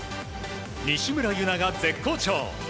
西村優菜が絶好調。